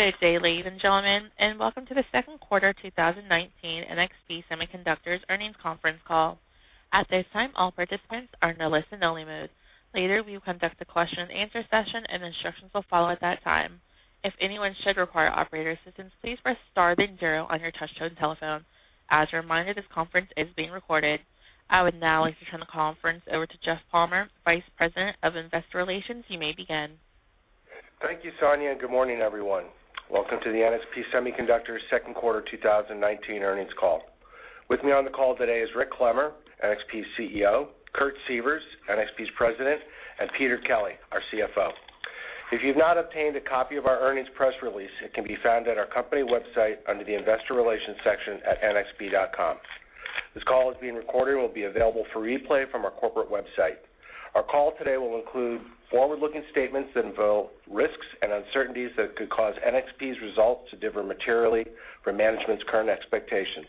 Good day, ladies and gentlemen, and welcome to the second quarter 2019 NXP Semiconductors Earnings Conference Call. At this time, all participants are in a listen-only mode. Later, we will conduct a question and answer session, and instructions will follow at that time. If anyone should require operator assistance, please press star then zero on your touch-tone telephone. As a reminder, this conference is being recorded. I would now like to turn the conference over to Jeff Palmer, Vice President of Investor Relations. You may begin. Thank you, Sonia. Good morning, everyone. Welcome to the NXP Semiconductors second quarter 2019 earnings call. With me on the call today is Rick Clemmer, NXP's Chief Executive Officer, Kurt Sievers, NXP's President, and Peter Kelly, our Chief Financial Officer. If you've not obtained a copy of our earnings press release, it can be found at our company website under the investor relations section at nxp.com. This call is being recorded and will be available for replay from our corporate website. Our call today will include forward-looking statements that involve risks and uncertainties that could cause NXP's results to differ materially from management's current expectations.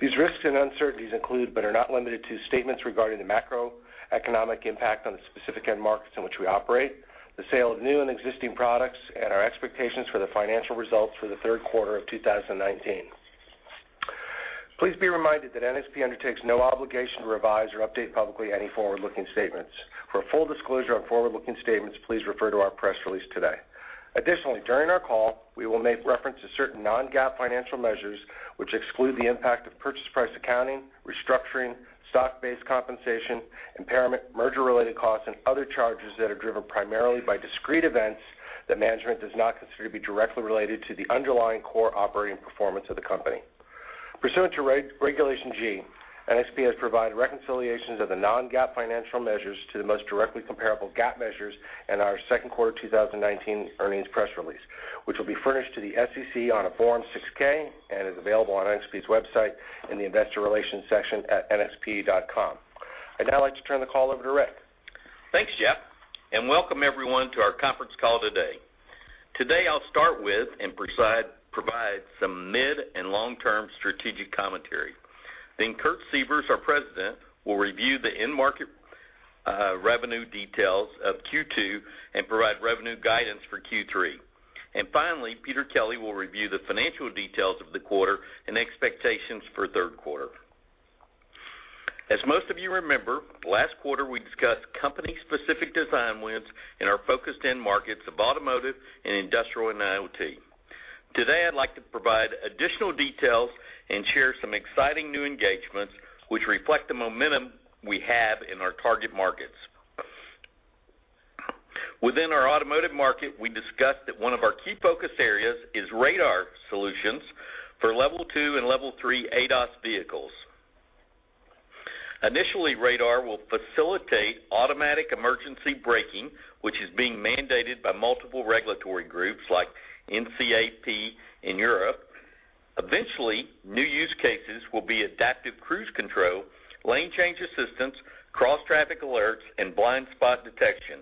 These risks and uncertainties include, but are not limited to, statements regarding the macroeconomic impact on the specific end markets in which we operate, the sale of new and existing products, and our expectations for the financial results for the third quarter of 2019. Please be reminded that NXP undertakes no obligation to revise or update publicly any forward-looking statements. For full disclosure on forward-looking statements, please refer to our press release today. Additionally, during our call, we will make reference to certain Non-GAAP financial measures which exclude the impact of purchase price accounting, restructuring, stock-based compensation, impairment, merger-related costs, and other charges that are driven primarily by discrete events that management does not consider to be directly related to the underlying core operating performance of the company. Pursuant to Regulation G, NXP has provided reconciliations of the Non-GAAP financial measures to the most directly comparable GAAP measures in our second quarter 2019 earnings press release, which will be furnished to the SEC on a Form 6-K and is available on NXP's website in the investor relations section at nxp.com. I'd now like to turn the call over to Rick. Thanks, Jeff, and welcome everyone to our conference call today. Today, I'll start with and provide some mid and long-term strategic commentary. Kurt Sievers, our President, will review the end-market revenue details of Q2 and provide revenue guidance for Q3. Finally, Peter Kelly will review the financial details of the quarter and expectations for third quarter. As most of you remember, last quarter we discussed company-specific design wins in our focused end markets of automotive and industrial IoT. Today, I'd like to provide additional details and share some exciting new engagements, which reflect the momentum we have in our target markets. Within our automotive market, we discussed that one of our key focus areas is radar solutions for Level 2 and Level 3 ADAS vehicles. Initially, radar will facilitate automatic emergency braking, which is being mandated by multiple regulatory groups like NCAP in Europe. Eventually, new use cases will be adaptive cruise control, lane change assistance, cross-traffic alerts, and blind spot detection.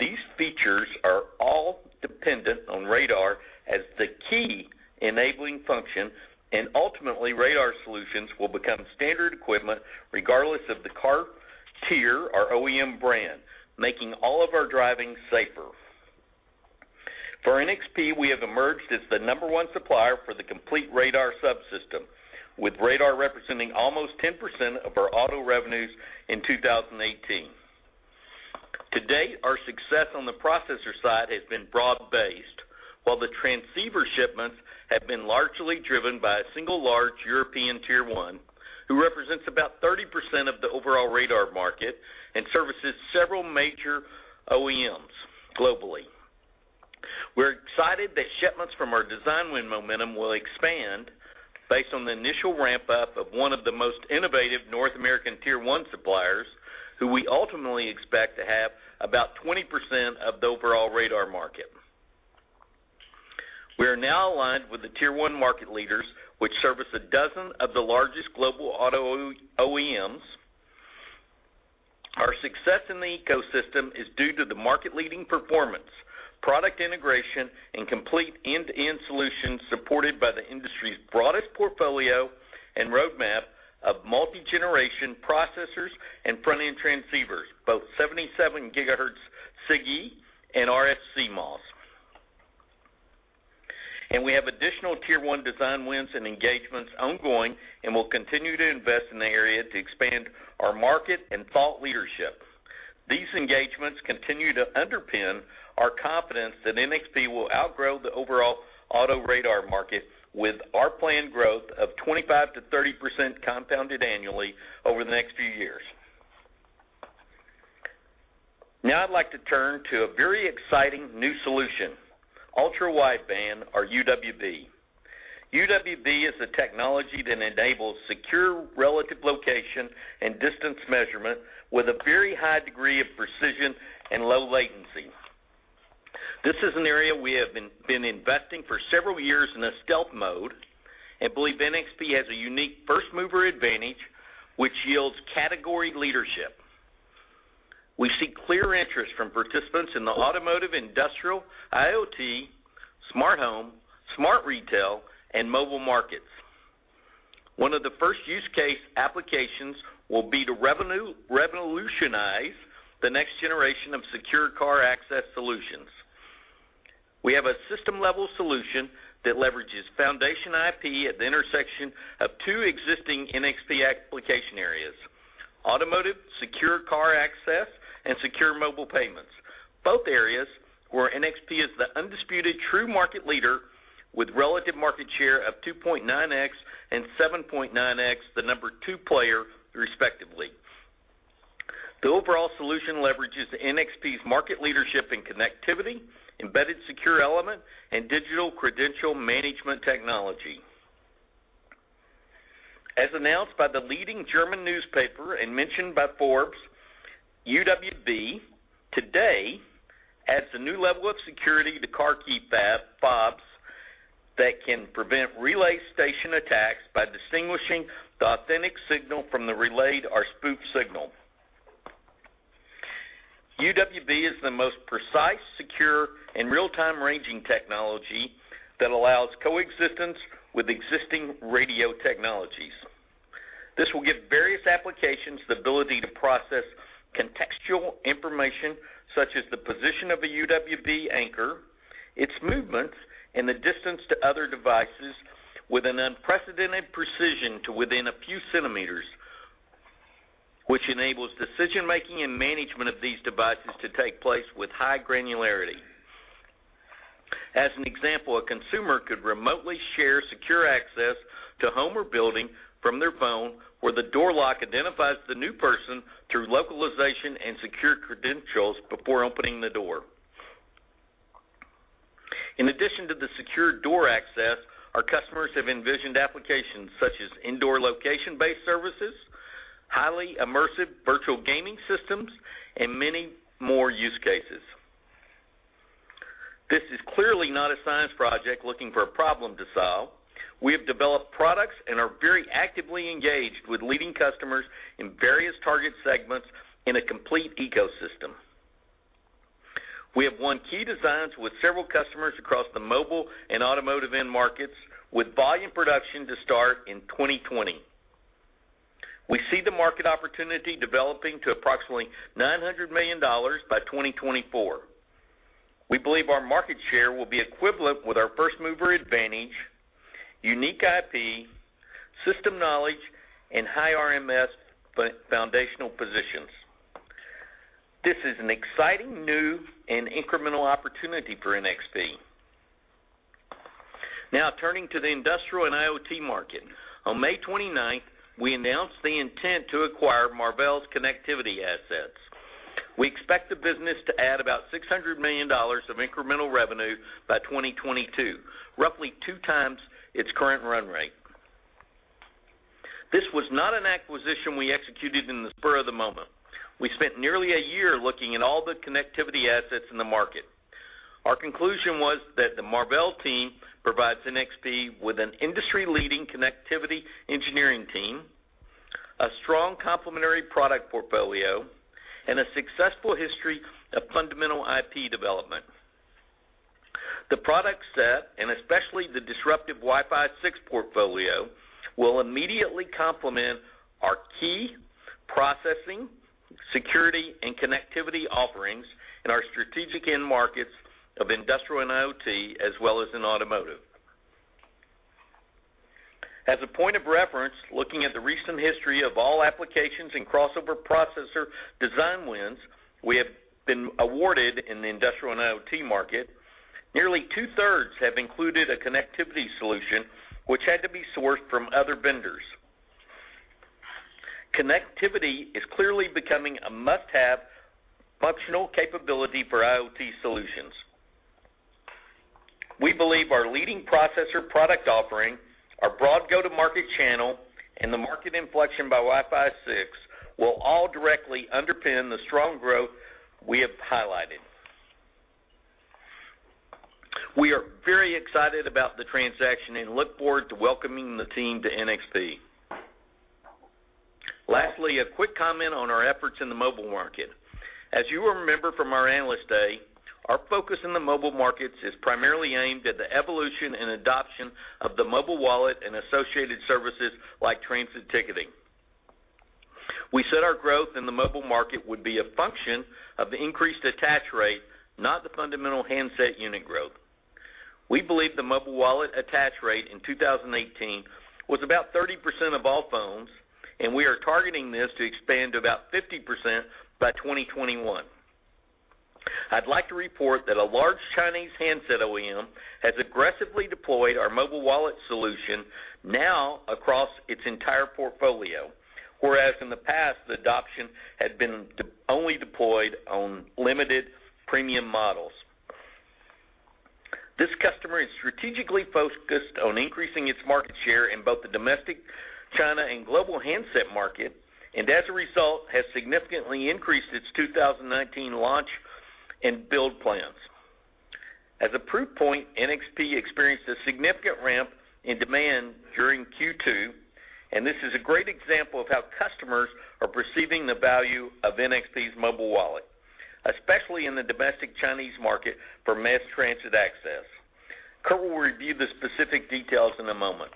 These features are all dependent on radar as the key enabling function, and ultimately, radar solutions will become standard equipment regardless of the car tier or OEM brand, making all of our driving safer. For NXP, we have emerged as the number one supplier for the complete radar subsystem, with radar representing almost 10% of our auto revenues in 2018. To date, our success on the processor side has been broad-based, while the transceiver shipments have been largely driven by a single large European tier 1 who represents about 30% of the overall radar market and services several major OEMs globally. We're excited that shipments from our design win momentum will expand based on the initial ramp-up of one of the most innovative North American tier 1 suppliers, who we ultimately expect to have about 20% of the overall radar market. We are now aligned with the tier 1 market leaders, which service a dozen of the largest global auto OEMs. Our success in the ecosystem is due to the market-leading performance, product integration, and complete end-to-end solution supported by the industry's broadest portfolio and roadmap of multi-generation processors and front-end transceivers, both 77 GHz SiGe and RF CMOS. We have additional tier 1 design wins and engagements ongoing and will continue to invest in the area to expand our market and thought leadership. These engagements continue to underpin our confidence that NXP will outgrow the overall auto radar market with our planned growth of 25%-30% compounded annually over the next few years. Now I'd like to turn to a very exciting new solution, ultra-wideband or UWB. UWB is the technology that enables secure relative location and distance measurement with a very high degree of precision and low latency. This is an area we have been investing for several years in a stealth mode and believe NXP has a unique first-mover advantage, which yields category leadership. We see clear interest from participants in the automotive, industrial, IoT, smart home, smart retail, and mobile markets. One of the first use case applications will be to revolutionize the next generation of secure car access solutions. We have a system-level solution that leverages foundation IP at the intersection of two existing NXP application areas, automotive secure car access and secure mobile payments, both areas where NXP is the undisputed true market leader with relative market share of 2.9x and 7.9x the number two player, respectively. The overall solution leverages NXP's market leadership in connectivity, embedded secure element, and digital credential management technology. As announced by the leading German newspaper and mentioned by Forbes, UWB today adds a new level of security to car key fobs that can prevent relay station attacks by distinguishing the authentic signal from the relayed or spoofed signal. UWB is the most precise, secure, and real-time ranging technology that allows coexistence with existing radio technologies. This will give various applications the ability to process contextual information, such as the position of a UWB anchor, its movements, and the distance to other devices with an unprecedented precision to within a few centimeters, which enables decision-making and management of these devices to take place with high granularity. As an example, a consumer could remotely share secure access to home or building from their phone, where the door lock identifies the new person through localization and secure credentials before opening the door. In addition to the secure door access, our customers have envisioned applications such as indoor location-based services, highly immersive virtual gaming systems, and many more use cases. This is clearly not a science project looking for a problem to solve. We have developed products and are very actively engaged with leading customers in various target segments in a complete ecosystem. We have won key designs with several customers across the mobile and automotive end markets, with volume production to start in 2020. We see the market opportunity developing to approximately $900 million by 2024. We believe our market share will be equivalent with our first-mover advantage, unique IP, system knowledge, and high RMS foundational positions. This is an exciting new and incremental opportunity for NXP. Turning to the industrial and IoT market. On May 29th, we announced the intent to acquire Marvell's connectivity assets. We expect the business to add about $600 million of incremental revenue by 2022, roughly 2x its current run rate. This was not an acquisition we executed in the spur of the moment. We spent nearly a year looking at all the connectivity assets in the market. Our conclusion was that the Marvell team provides NXP with an industry-leading connectivity engineering team, a strong complementary product portfolio, and a successful history of fundamental IP development. The product set, and especially the disruptive Wi-Fi 6 portfolio, will immediately complement our key processing, security, and connectivity offerings in our strategic end markets of industrial and IoT, as well as in automotive. As a point of reference, looking at the recent history of all applications and crossover processor design wins we have been awarded in the industrial and IoT market, nearly 2/3 have included a connectivity solution which had to be sourced from other vendors. Connectivity is clearly becoming a must-have functional capability for IoT solutions. We believe our leading processor product offering, our broad go-to-market channel, and the market inflection by Wi-Fi 6 will all directly underpin the strong growth we have highlighted. We are very excited about the transaction and look forward to welcoming the team to NXP. Lastly, a quick comment on our efforts in the mobile market. As you will remember from our Analyst Day, our focus in the mobile markets is primarily aimed at the evolution and adoption of the mobile wallet and associated services like transit ticketing. We said our growth in the mobile market would be a function of the increased attach rate, not the fundamental handset unit growth. We believe the mobile wallet attach rate in 2018 was about 30% of all phones, and we are targeting this to expand to about 50% by 2021. I'd like to report that a large Chinese handset OEM has aggressively deployed our mobile wallet solution now across its entire portfolio, whereas in the past, the adoption had been only deployed on limited premium models. This customer is strategically focused on increasing its market share in both the domestic China and global handset market, and as a result, has significantly increased its 2019 launch and build plans. As a proof point, NXP experienced a significant ramp in demand during Q2, and this is a great example of how customers are perceiving the value of NXP's mobile wallet, especially in the domestic Chinese market for mass transit access. Kurt will review the specific details in a moment.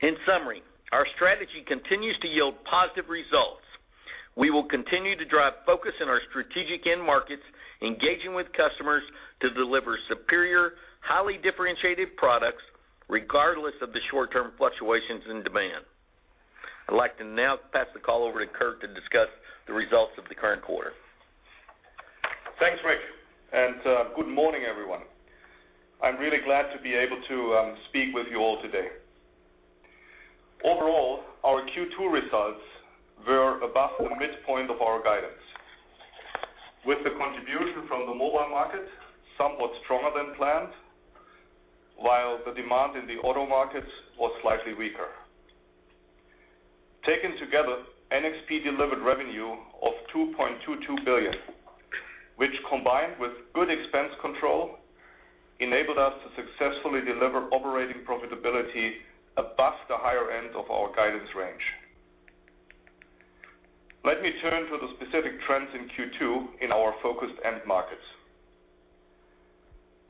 In summary, our strategy continues to yield positive results. We will continue to drive focus in our strategic end markets, engaging with customers to deliver superior, highly differentiated products regardless of the short-term fluctuations in demand. I'd like to now pass the call over to Kurt to discuss the results of the current quarter. Thanks, Rick, good morning, everyone. I'm really glad to be able to speak with you all today. Overall, our Q2 results were above the midpoint of our guidance, with the contribution from the mobile market somewhat stronger than planned, while the demand in the auto market was slightly weaker. Taken together, NXP delivered revenue of $2.22 billion, which combined with good expense control, enabled us to successfully deliver operating profitability above the higher end of our guidance range. Let me turn to the specific trends in Q2 in our focused end markets.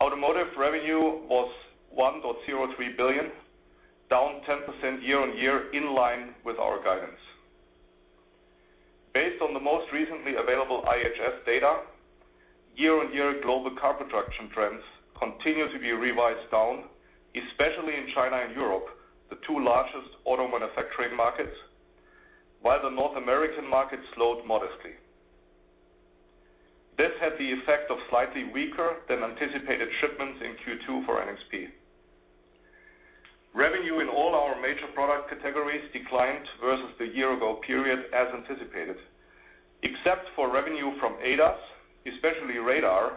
Automotive revenue was $1.03 billion, down 10% year-on-year in line with our guidance. Based on the most recently available IHS data, year-on-year global car production trends continue to be revised down, especially in China and Europe, the two largest auto manufacturing markets, while the North American market slowed modestly. This had the effect of slightly weaker than anticipated shipments in Q2 for NXP. Revenue in all our major product categories declined versus the year-ago period as anticipated, except for revenue from ADAS, especially radar,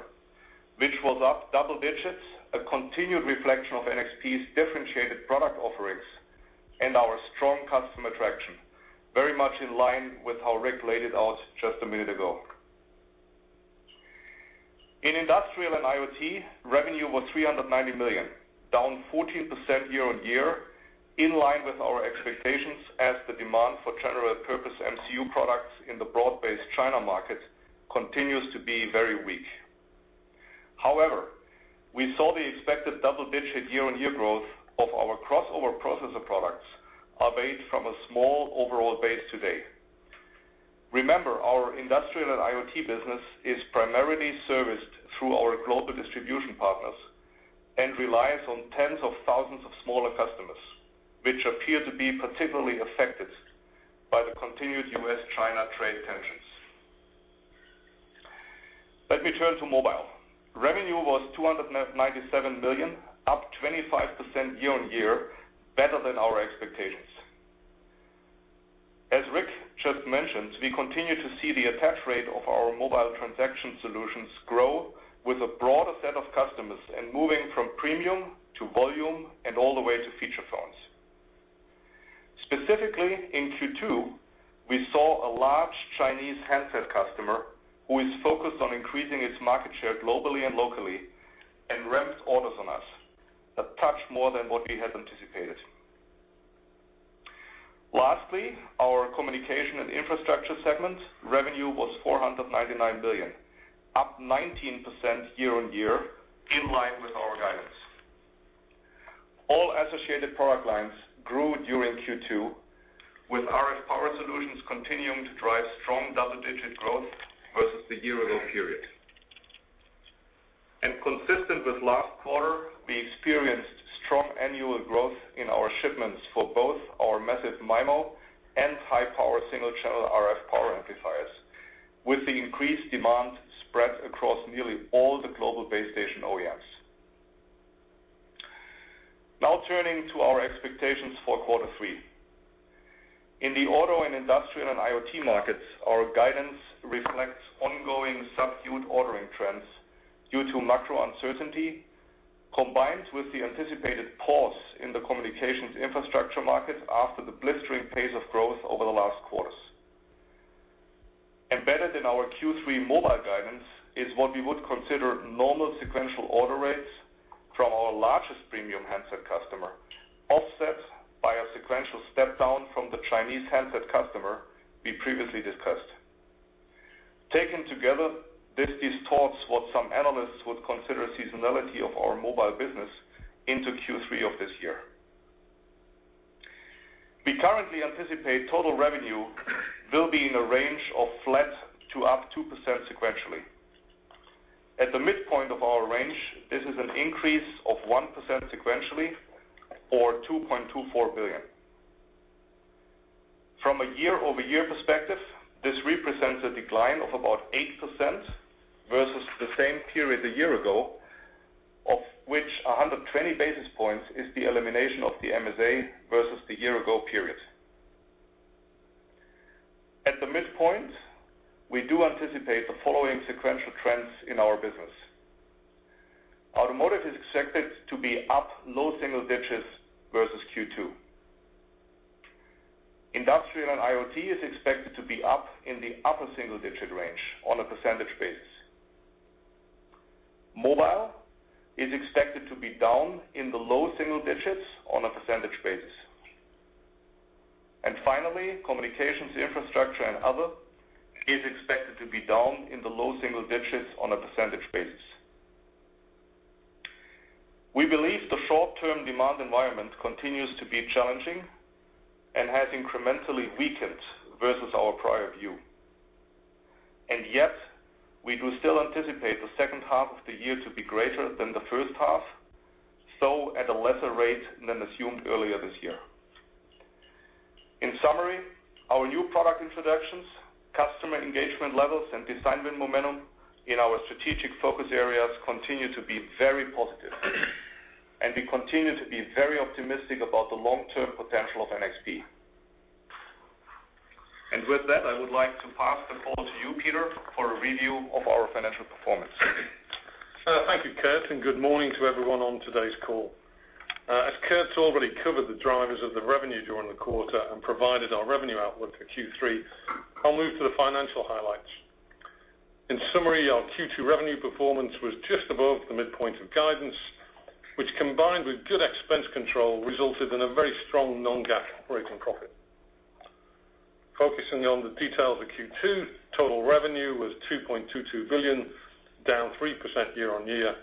which was up double digits, a continued reflection of NXP's differentiated product offerings and our strong customer traction, very much in line with how Rick laid it out just a minute ago. In industrial and IoT, revenue was $390 million, down 14% year-on-year, in line with our expectations as the demand for general purpose MCU products in the broad-based China market continues to be very weak. We saw the expected double-digit year-on-year growth of our crossover processor products, albeit from a small overall base today. Remember, our industrial and IoT business is primarily serviced through our global distribution partners and relies on tens of thousands of smaller customers, which appear to be particularly affected by the continued U.S.-China trade tensions. Let me turn to mobile. Revenue was $297 million, up 25% year-on-year, better than our expectations. As Rick just mentioned, we continue to see the attach rate of our mobile transaction solutions grow with a broader set of customers and moving from premium to volume and all the way to feature phones. Specifically, in Q2, we saw a large Chinese handset customer who is focused on increasing its market share globally and locally, and ramped orders on us. A touch more than what we had anticipated. Lastly, our communication and infrastructure segment revenue was $499 million, up 19% year-on-year, in line with our guidance. All associated product lines grew during Q2, with RF power solutions continuing to drive strong double-digit growth versus the year-ago period. Consistent with last quarter, we experienced strong annual growth in our shipments for both our massive MIMO and high-power single-channel RF power amplifiers, with the increased demand spread across nearly all the global base station OEMs. Turning to our expectations for quarter three. In the auto and industrial and IoT markets, our guidance reflects ongoing subdued ordering trends due to macro uncertainty, combined with the anticipated pause in the communications infrastructure market after the blistering pace of growth over the last quarters. Embedded in our Q3 mobile guidance is what we would consider normal sequential order rates from our largest premium handset customer, offset by a sequential step-down from the Chinese handset customer we previously discussed. Taken together, this distorts what some analysts would consider seasonality of our mobile business into Q3 of this year. We currently anticipate total revenue will be in a range of flat to up 2% sequentially. At the midpoint of our range, this is an increase of 1% sequentially or $2.24 billion. From a year-over-year perspective, this represents a decline of about 8% versus the same period a year ago, of which 120 basis points is the elimination of the MSA versus the year-ago period. At the midpoint, we do anticipate the following sequential trends in our business. Automotive is expected to be up low single digits versus Q2. Industrial and IoT is expected to be up in the upper single-digit range on a percentage basis. Mobile is expected to be down in the low single digits on a percentage basis. Finally, communications infrastructure and other is expected to be down in the low single digits on a percentage basis. We believe the short-term demand environment continues to be challenging and has incrementally weakened versus our prior view. Yet we do still anticipate the second half of the year to be greater than the first half, though at a lesser rate than assumed earlier this year. In summary, our new product introductions, customer engagement levels, and design win momentum in our strategic focus areas continue to be very positive, and we continue to be very optimistic about the long-term potential of NXP. With that, I would like to pass the call to you, Peter, for a review of our financial performance. Thank you, Kurt, and good morning to everyone on today's call. As Kurt's already covered the drivers of the revenue during the quarter and provided our revenue outlook for Q3, I'll move to the financial highlights. In summary, our Q2 revenue performance was just above the midpoint of guidance, which combined with good expense control resulted in a very strong Non-GAAP operating profit. Focusing on the details of Q2, total revenue was $2.22 billion, down 3% year-on-year,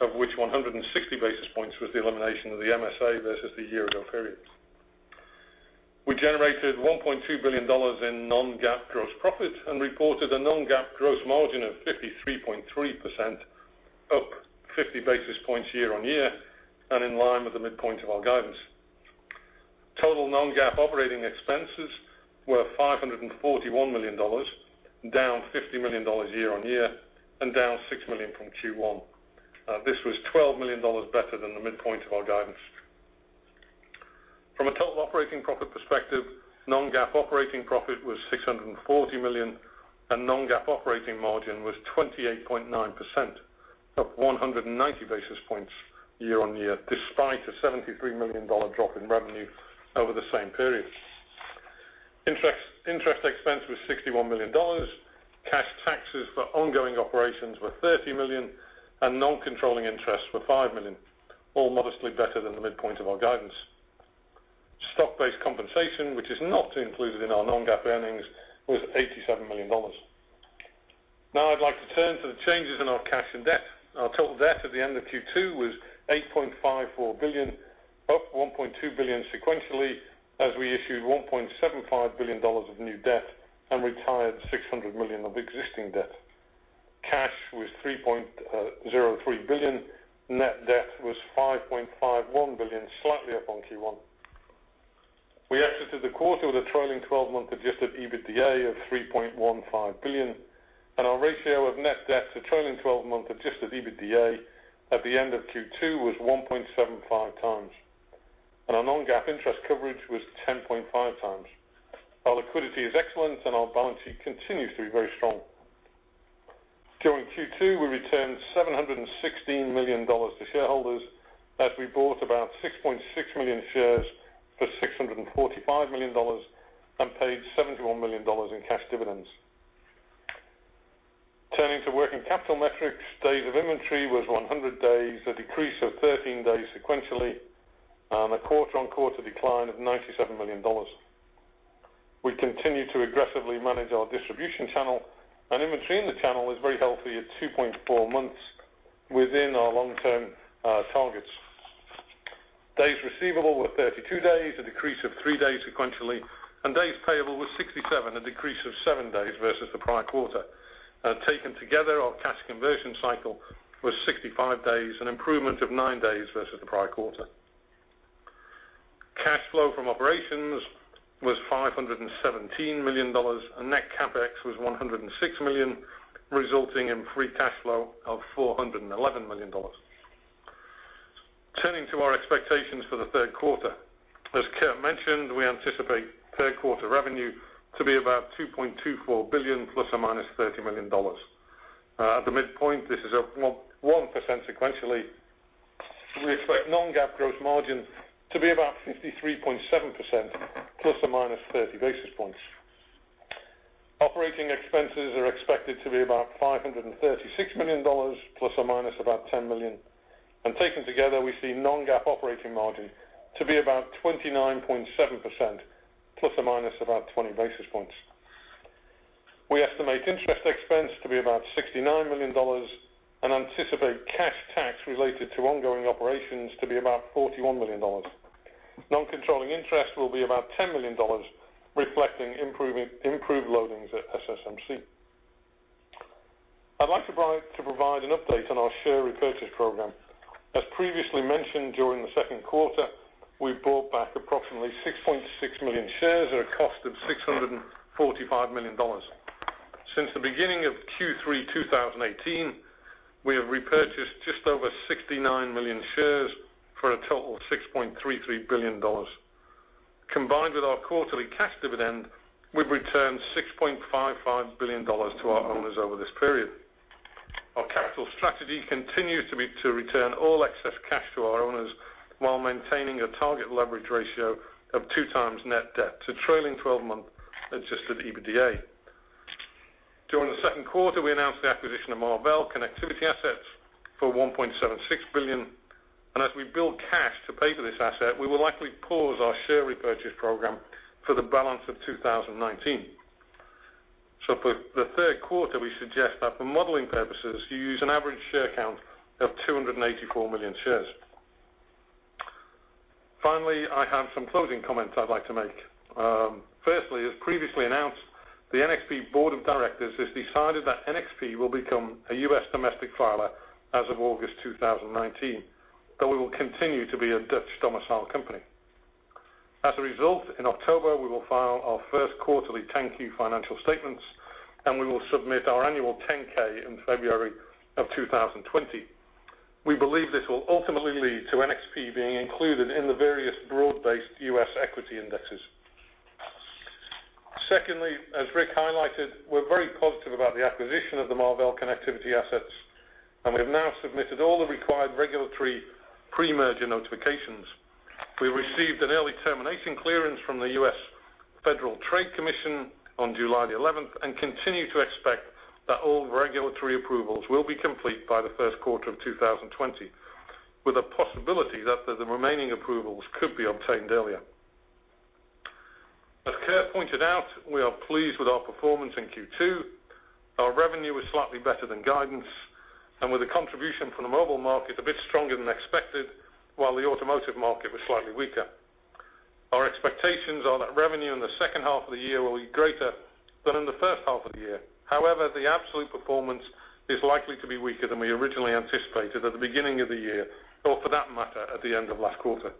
of which 160 basis points was the elimination of the MSA versus the year-ago period. We generated $1.2 billion in Non-GAAP gross profit and reported a Non-GAAP gross margin of 53.3%, up 50 basis points year-on-year, and in line with the midpoint of our guidance. Total Non-GAAP operating expenses were $541 million, down $50 million year-on-year, and down $6 million from Q1. This was $12 million better than the midpoint of our guidance. From a total operating profit perspective, Non-GAAP operating profit was $640 million and Non-GAAP operating margin was 28.9%, up 190 basis points year-on-year, despite a $73 million drop in revenue over the same period. Interest expense was $61 million. Cash taxes for ongoing operations were $30 million, and non-controlling interests were $5 million, all modestly better than the midpoint of our guidance. Stock-based compensation, which is not included in our Non-GAAP earnings, was $87 million. Now I'd like to turn to the changes in our cash and debt. Our total debt at the end of Q2 was $8.54 billion, up $1.2 billion sequentially as we issued $1.75 billion of new debt and retired $600 million of existing debt. Cash was $3.03 billion. Net debt was $5.51 billion, slightly up on Q1. We exited the quarter with a trailing 12-month adjusted EBITDA of $3.15 billion. Our ratio of net debt to trailing 12-month adjusted EBITDA at the end of Q2 was 1.75x, and our Non-GAAP interest coverage was 10.5x. Our liquidity is excellent, and our balance sheet continues to be very strong. During Q2, we returned $716 million to shareholders as we bought about 6.6 million shares for $645 million and paid $71 million in cash dividends. Turning to working capital metrics, days of inventory was 100 days, a decrease of 13 days sequentially, and a quarter-on-quarter decline of $97 million. We continue to aggressively manage our distribution channel and inventory in the channel is very healthy at 2.4 months within our long-term targets. Days receivable were 32 days, a decrease of three days sequentially, and days payable was 67 days, a decrease of seven days versus the prior quarter. Taken together, our cash conversion cycle was 65 days, an improvement of nine days versus the prior quarter. Net CapEx was $106 million, resulting in free cash flow of $411 million. Cash flow from operations was $517 million. Turning to our expectations for the third quarter. As Kurt mentioned, we anticipate third quarter revenue to be about $2.24 billion ± $30 million. At the midpoint, this is up 1% sequentially. We expect Non-GAAP gross margin to be about 53.7% ± 30 basis points. Operating expenses are expected to be about $536 million ± about $10 million. Taken together, we see Non-GAAP operating margin to be about 29.7% ± about 20 basis points. We estimate interest expense to be about $69 million and anticipate cash tax related to ongoing operations to be about $41 million. Non-controlling interest will be about $10 million, reflecting improved loadings at SSMC. I'd like to provide an update on our share repurchase program. As previously mentioned during the second quarter, we bought back approximately 6.6 million shares at a cost of $645 million. Since the beginning of Q3 2018, we have repurchased just over 69 million shares for a total of $6.33 billion. Combined with our quarterly cash dividend, we've returned $6.55 billion to our owners over this period. Our capital strategy continues to return all excess cash to our owners while maintaining a target leverage ratio of 2x net debt to trailing 12-month adjusted EBITDA. During the second quarter, we announced the acquisition of Marvell connectivity assets for $1.76 billion. As we build cash to pay for this asset, we will likely pause our share repurchase program for the balance of 2019. For the third quarter, we suggest that for modeling purposes, you use an average share count of 284 million shares. Finally, I have some closing comments I'd like to make. Firstly, as previously announced, the NXP board of directors has decided that NXP will become a U.S. domestic filer as of August 2019, but we will continue to be a Dutch domicile company. As a result, in October, we will file our first quarterly 10-Q financial statements, and we will submit our annual 10-K in February of 2020. We believe this will ultimately lead to NXP being included in the various broad-based U.S. equity indexes. Secondly, as Rick highlighted, we're very positive about the acquisition of the Marvell connectivity assets, and we have now submitted all the required regulatory pre-merger notifications. We received an early termination clearance from the US Federal Trade Commission on July the 11th, and continue to expect that all regulatory approvals will be complete by the first quarter of 2020, with a possibility that the remaining approvals could be obtained earlier. As Kurt pointed out, we are pleased with our performance in Q2. Our revenue was slightly better than guidance and with the contribution from the mobile market a bit stronger than expected, while the automotive market was slightly weaker. Our expectations are that revenue in the second half of the year will be greater than in the first half of the year. However, the absolute performance is likely to be weaker than we originally anticipated at the beginning of the year or for that matter, at the end of last quarter.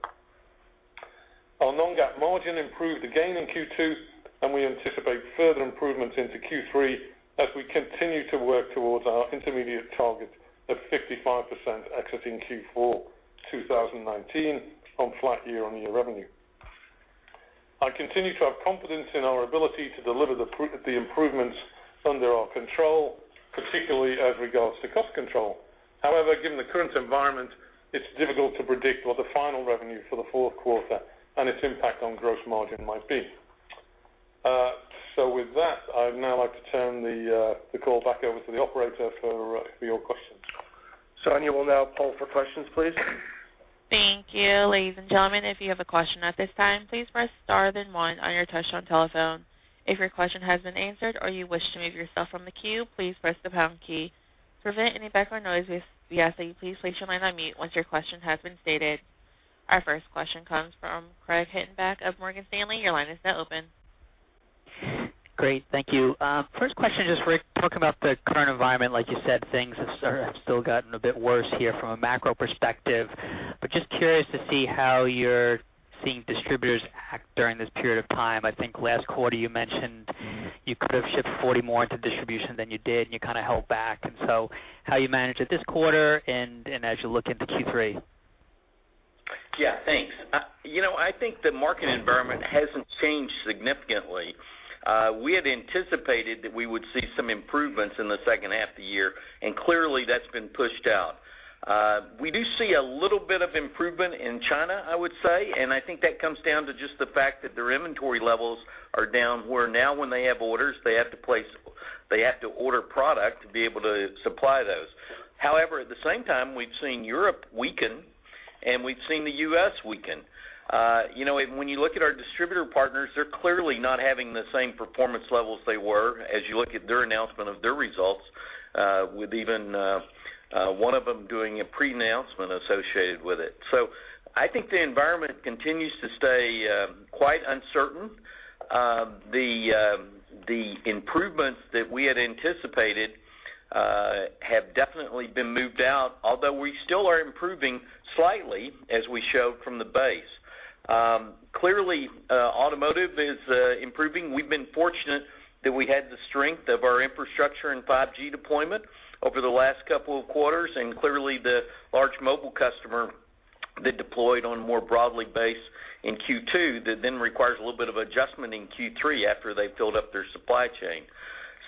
Our Non-GAAP margin improved again in Q2, and we anticipate further improvements into Q3 as we continue to work towards our intermediate target of 55% exiting Q4 2019 on flat year-on-year revenue. I continue to have confidence in our ability to deliver the improvements under our control, particularly as regards to cost control. However, given the current environment, it's difficult to predict what the final revenue for the fourth quarter and its impact on gross margin might be. With that, I'd now like to turn the call back over to the operator for your questions. Sonya, we'll now poll for questions, please. Thank you. Ladies and gentlemen, if you have a question at this time, please press star then one on your touchtone telephone. If your question has been answered or you wish to remove yourself from the queue, please press the pound key. To prevent any background noise, we ask that you please place your line on mute once your question has been stated. Our first question comes from Craig Hettenbach of Morgan Stanley. Your line is now open. Great. Thank you. First question, just Rick, talk about the current environment. Like you said, things have still gotten a bit worse here from a macro perspective. Just curious to see how you're seeing distributors act during this period of time. I think last quarter you mentioned you could have shipped 40 more into distribution than you did. You kind of held back. How you manage it this quarter and as you look into Q3? Yeah, thanks. I think the market environment hasn't changed significantly. We had anticipated that we would see some improvements in the second half of the year, clearly, that's been pushed out. We do see a little bit of improvement in China, I would say, I think that comes down to just the fact that their inventory levels are down, where now when they have orders, they have to order product to be able to supply those. However, at the same time, we've seen Europe weaken, and we've seen the U.S. weaken. When you look at our distributor partners, they're clearly not having the same performance levels they were as you look at their announcement of their results, with even one of them doing a pre-announcement associated with it. I think the environment continues to stay quite uncertain. The improvements that we had anticipated have definitely been moved out, although we still are improving slightly as we showed from the base. Clearly, automotive is improving. We've been fortunate that we had the strength of our infrastructure and 5G deployment over the last couple of quarters, and clearly the large mobile customer that deployed on more broadly base in Q2 that then requires a little bit of adjustment in Q3 after they've built up their supply chain.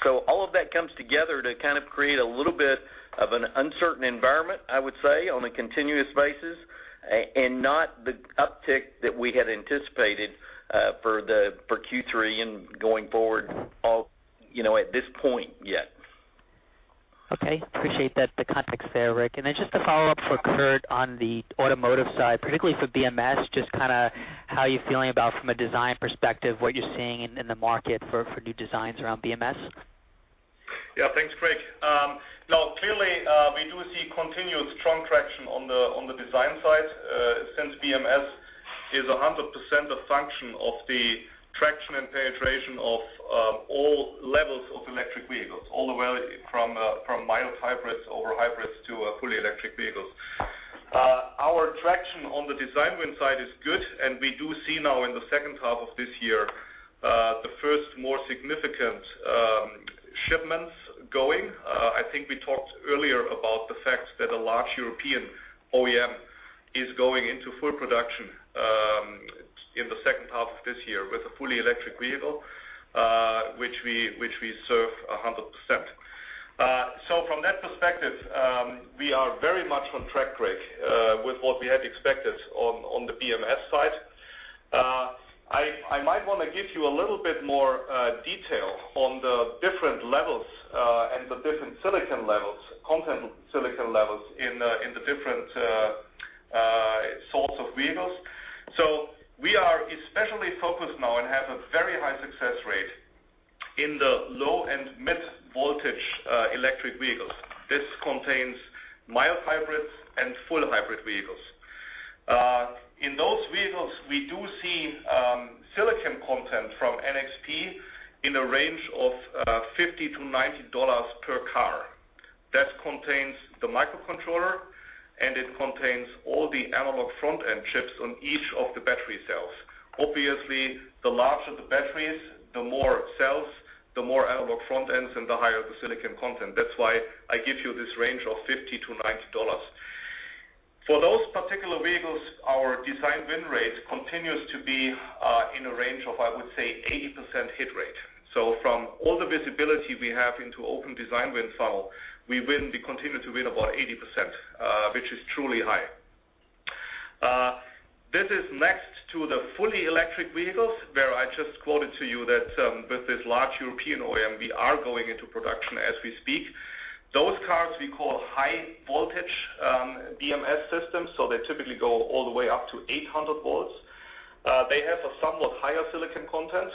All of that comes together to kind of create a little bit of an uncertain environment, I would say, on a continuous basis, and not the uptick that we had anticipated for Q3 and going forward at this point yet. Okay. Appreciate the context there, Rick. Just a follow-up for Kurt on the automotive side, particularly for BMS, just how you feeling about from a design perspective, what you're seeing in the market for new designs around BMS? Yeah, thanks, Craig. Clearly, we do see continued strong traction on the design side since BMS is 100% a function of the traction and penetration of all levels of electric vehicles, all the way from mild hybrids over hybrids to fully electric vehicles. Our traction on the design win side is good, we do see now in the second half of this year, the first more significant shipments going. I think we talked earlier about the fact that a large European OEM is going into full production in the second half of this year with a fully electric vehicle, which we serve 100%. From that perspective, we are very much on track, Craig, with what we had expected on the BMS side. I might want to give you a little bit more detail on the different levels and the different content silicon levels in the different sorts of vehicles. We are especially focused now and have a very high success rate in the low and mid-voltage electric vehicles. This contains mild hybrids and full hybrid vehicles. In those vehicles, we do see silicon content from NXP in a range of $50-$90 per car. That contains the microcontroller, and it contains all the analog front-end chips on each of the battery cells. Obviously, the larger the batteries, the more cells, the more analog front ends, and the higher the silicon content. That's why I give you this range of $50-$90. For those particular vehicles, our design win rate continues to be in a range of, I would say, 80% hit rate. From all the visibility we have into open design win funnel, we continue to win about 80%, which is truly high. This is next to the fully electric vehicles, where I just quoted to you that with this large European OEM, we are going into production as we speak. Those cars we call high voltage BMS systems, so they typically go all the way up to 800 volts. They have a somewhat higher silicon content.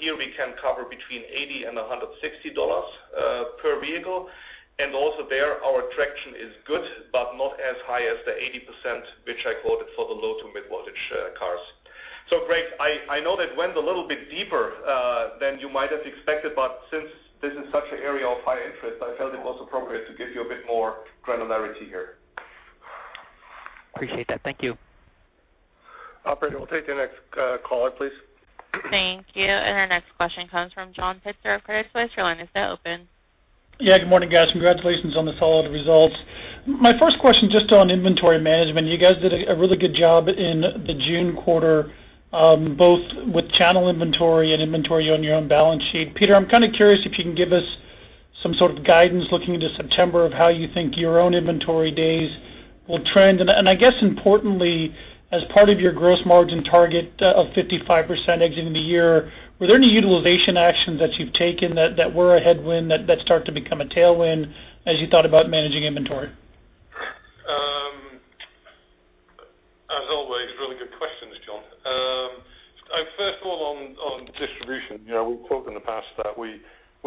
Here we can cover between $80-$160 per vehicle. Also there, our traction is good, but not as high as the 80%, which I quoted for the low to mid-voltage cars. Craig, I know that went a little bit deeper than you might have expected, but since this is such an area of high interest, I felt it was appropriate to give you a bit more granularity here. Appreciate that. Thank you. Operator, we'll take the next caller, please. Thank you. Our next question comes from John Pitzer of Credit Suisse. Your line is now open. Yeah, good morning, guys. Congratulations on the solid results. My first question, just on inventory management, you guys did a really good job in the June quarter, both with channel inventory and inventory on your own balance sheet. Peter, I'm kind of curious if you can give us some sort of guidance looking into September of how you think your own inventory days will trend. I guess importantly, as part of your gross margin target of 55% exiting the year, were there any utilization actions that you've taken that were a headwind that start to become a tailwind as you thought about managing inventory? As always, really good questions, John. First of all, on distribution, we've quoted in the past that we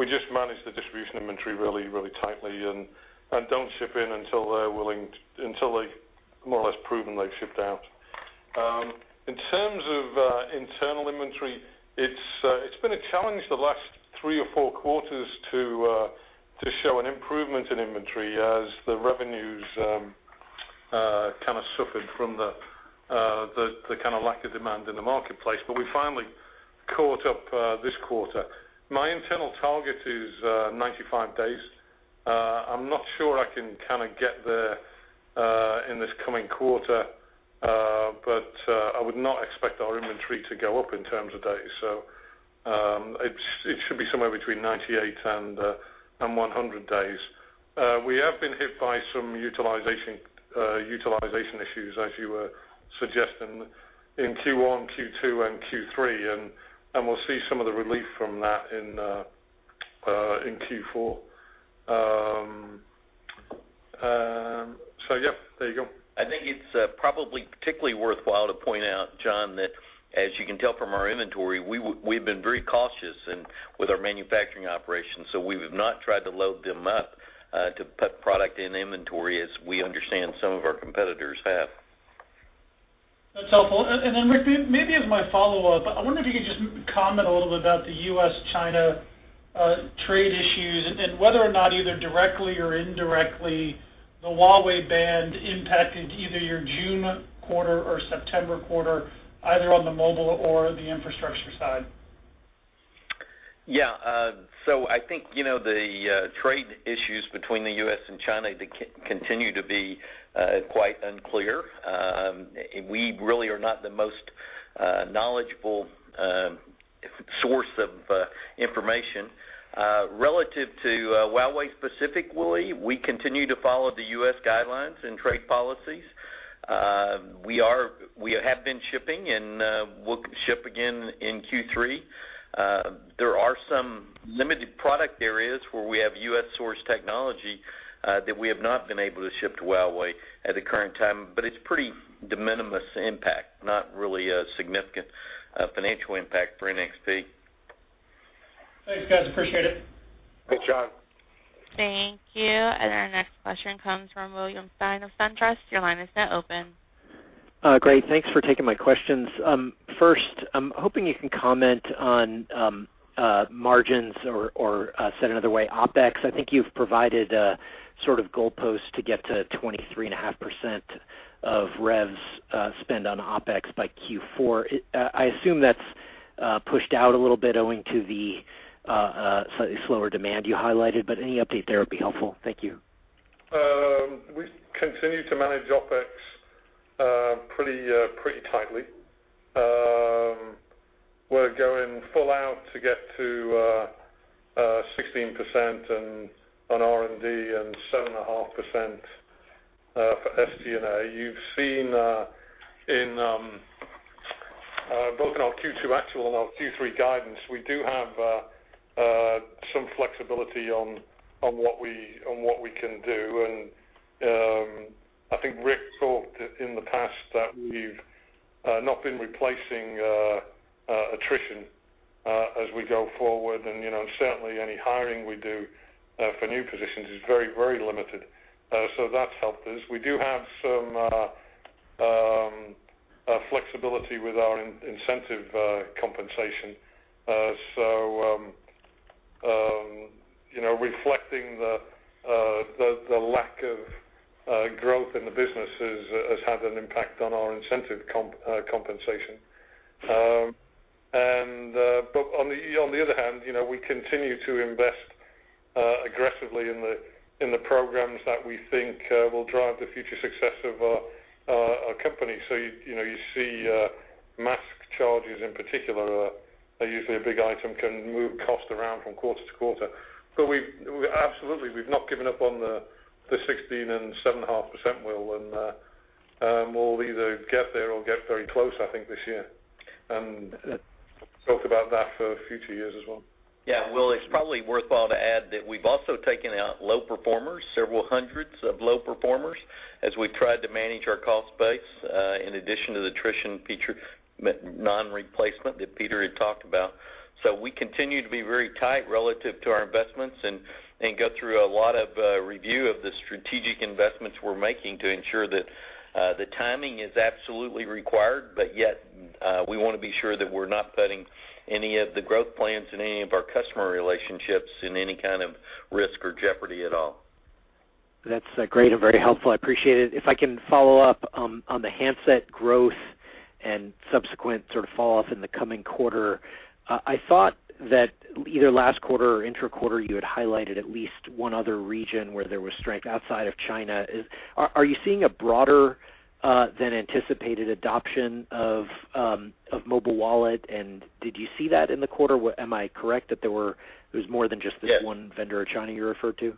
just manage the distribution inventory really tightly and don't ship in until they've more or less proven they've shipped out. In terms of internal inventory, it's been a challenge the last three or four quarters to show an improvement in inventory as the revenues kind of suffered from the lack of demand in the marketplace. We finally caught up this quarter. My internal target is 95 days. I'm not sure I can get there in this coming quarter, but I would not expect our inventory to go up in terms of days. It should be somewhere between 98 days and 100 days. We have been hit by some utilization issues, as you were suggesting, in Q1, Q2, and Q3, and we'll see some of the relief from that in Q4. Yeah, there you go. I think it's probably particularly worthwhile to point out, John, that as you can tell from our inventory, we've been very cautious with our manufacturing operations. We have not tried to load them up to put product in inventory as we understand some of our competitors have. That's helpful. Rick, maybe as my follow-up, I wonder if you could just comment a little bit about the U.S.-China trade issues and whether or not either directly or indirectly, the Huawei ban impacted either your June quarter or September quarter, either on the mobile or the infrastructure side. Yeah. I think the trade issues between the U.S. and China continue to be quite unclear. We really are not the most knowledgeable source of information. Relative to Huawei specifically, we continue to follow the U.S. guidelines and trade policies. We have been shipping, and we'll ship again in Q3. There are some limited product areas where we have U.S. source technology that we have not been able to ship to Huawei at the current time, but it's pretty de minimis impact, not really a significant financial impact for NXP. Thanks, guys. Appreciate it. Thanks, John. Thank you. Our next question comes from William Stein of SunTrust. Your line is now open. Great. Thanks for taking my questions. First, I'm hoping you can comment on margins or said another way, OpEx. I think you've provided a sort of goalpost to get to 23.5% of revs spent on OpEx by Q4. I assume that's pushed out a little bit owing to the slightly slower demand you highlighted, but any update there would be helpful. Thank you. We continue to manage OpEx pretty tightly. We're going full out to get to 16% on R&D and 7.5% for SG&A. You've seen both in our Q2 actual and our Q3 guidance, we do have some flexibility on what we can do. I think Rick talked in the past that we've not been replacing attrition as we go forward, and certainly any hiring we do for new positions is very limited. That's helped us. We do have some flexibility with our incentive compensation. Reflecting the lack of growth in the business has had an impact on our incentive compensation. On the other hand, we continue to invest aggressively in the programs that we think will drive the future success of our company. You see mask charges in particular, are usually a big item, can move cost around from quarter-to-quarter. Absolutely, we've not given up on the 16% and 7.5%, Will, and we'll either get there or get very close, I think this year, and talk about that for future years as well. Yeah. Will, it's probably worthwhile to add that we've also taken out low performers, several hundreds of low performers, as we've tried to manage our cost base, in addition to the attrition non-replacement that Peter had talked about. We continue to be very tight relative to our investments and go through a lot of review of the strategic investments we're making to ensure that the timing is absolutely required, but yet, we want to be sure that we're not putting any of the growth plans in any of our customer relationships in any kind of risk or jeopardy at all. That's great and very helpful. I appreciate it. If I can follow up on the handset growth and subsequent sort of fall off in the coming quarter. I thought that either last quarter or inter quarter, you had highlighted at least one other region where there was strength outside of China. Are you seeing a broader than anticipated adoption of mobile wallet, and did you see that in the quarter? Am I correct that there was more than just this one vendor in China you referred to?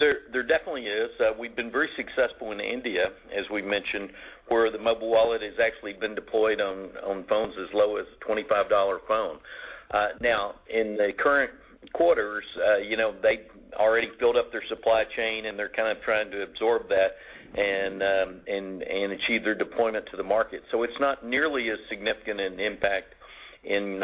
There definitely is. We've been very successful in India, as we mentioned, where the mobile wallet has actually been deployed on phones as low as a $25 phone. In the current quarters, they already built up their supply chain, and they're kind of trying to absorb that and achieve their deployment to the market. It's not nearly as significant an impact in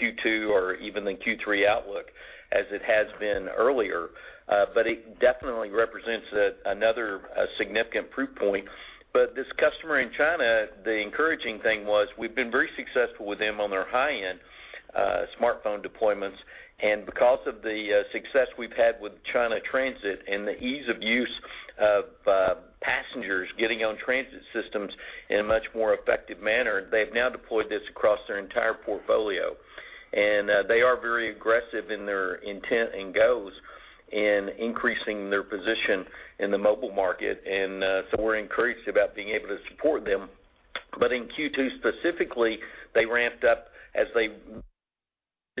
Q2 or even the Q3 outlook as it has been earlier. It definitely represents another significant proof point. This customer in China, the encouraging thing was we've been very successful with them on their high-end smartphone deployments. Because of the success we've had with China Transit and the ease of use of passengers getting on transit systems in a much more effective manner, they've now deployed this across their entire portfolio. They are very aggressive in their intent and goals in increasing their position in the mobile market, and so we're encouraged about being able to support them. In Q2 specifically, they ramped up as they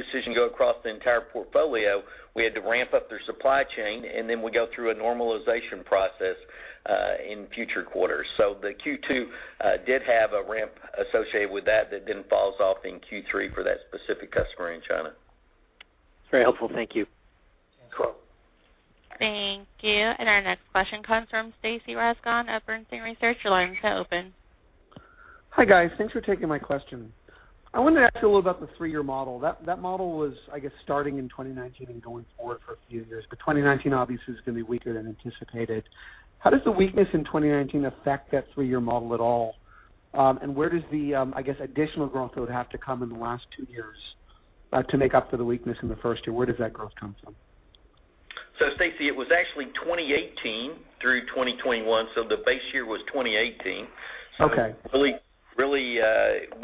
made the decision to go across the entire portfolio, we had to ramp up their supply chain, and then we go through a normalization process in future quarters. The Q2 did have a ramp associated with that that then falls off in Q3 for that specific customer in China. Very helpful. Thank you. Sure. Thank you. Our next question comes from Stacy Rasgon of Bernstein Research. Your line is now open. Hi, guys. Thanks for taking my question. I wanted to ask you a little about the three-year model. That model was, I guess, starting in 2019 and going forward for a few years. 2019 obviously is going to be weaker than anticipated. How does the weakness in 2019 affect that three-year model at all? Where does the, I guess, additional growth load have to come in the last two years to make up for the weakness in the first year? Where does that growth come from? Stacy, it was actually 2018 through 2021, so the base year was 2018. Okay. Really,